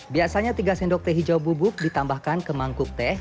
biasanya tiga sendok teh hijau bubuk ditambahkan ke mangkuk teh